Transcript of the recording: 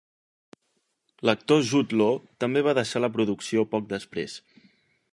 L'actor Jude Law també va deixar la producció poc després.